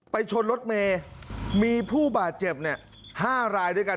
ชนรถเมย์มีผู้บาดเจ็บ๕รายด้วยกัน